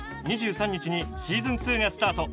２３日にシーズン２がスタート。